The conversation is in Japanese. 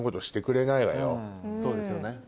そうですよね。